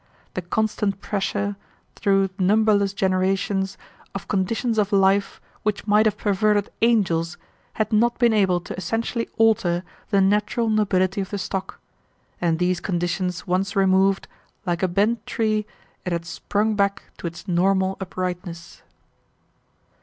The constant pressure, through numberless generations, of conditions of life which might have perverted angels, had not been able to essentially alter the natural nobility of the stock, and these conditions once removed, like a bent tree, it had sprung back to its normal uprightness.